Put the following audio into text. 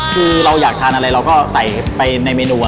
คือเราอยากทานอะไรเราก็ใส่ไปในเมนู